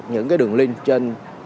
những cái đường link trên